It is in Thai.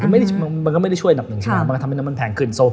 มันก็ไม่ได้ช่วยหนักหนึ่งมันก็ทำให้น้ำมันแพงขึ้น